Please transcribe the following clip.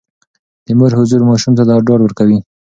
د مور حضور ماشوم ته ډاډ ورکوي.